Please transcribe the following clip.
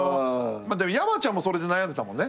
山ちゃんもそれで悩んでたもんね。